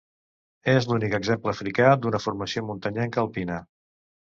És l'únic exemple africà d'una formació muntanyenca alpina.